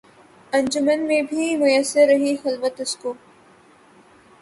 انجمن میں بھی میسر رہی خلوت اس کو